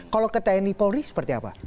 kalau ke tni polri seperti apa